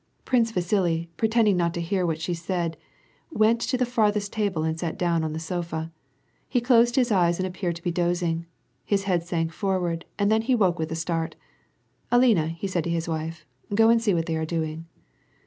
Prince Vasili, pretending not to hear what she said, went |p the farthest table and sat down on the sofa. He closed his eyes and appeared to be doz ing. His head sank forward and then he woke with a strait. " Alina," said he to his wife, " go and see what they are doing."'